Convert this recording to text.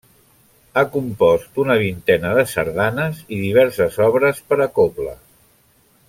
Ha compost una vintena de sardanes i diverses obres per a cobla.